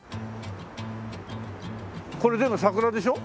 これ全部桜でしょ？